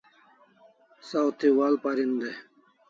Saw thi wa'al parin dai